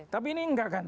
tapi ini enggak kan